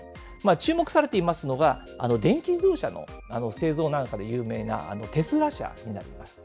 注目されていますのが、電気自動車の製造なんかで有名なテスラ社になります。